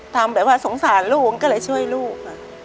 ทำแบบว่าสงสารลูกก็เลยช่วยลูก